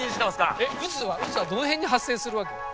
えっ渦はどの辺に発生するわけ？